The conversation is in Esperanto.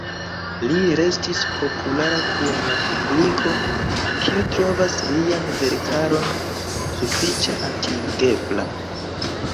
Li restis populara kun la publiko, kiu trovas lian verkaron sufiĉe atingebla.